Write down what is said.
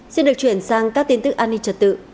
xin được chuyển sang các tin tức an ninh trật tự